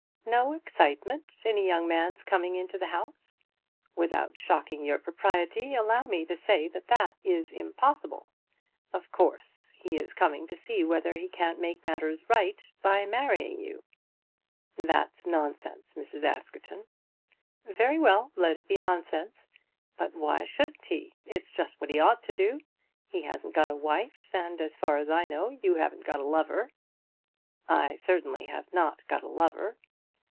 "No excitement in a young man's coming into the house! Without shocking your propriety, allow me to say that that is impossible. Of course, he is coming to see whether he can't make matters all right by marrying you." "That's nonsense, Mrs. Askerton." "Very well. Let it be nonsense. But why shouldn't he? It's just what he ought to do. He hasn't got a wife; and, as far as I know, you haven't got a lover." "I certainly have not got a lover."